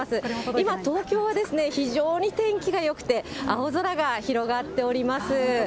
今、東京は非常に天気がよくて、青空が広がっております。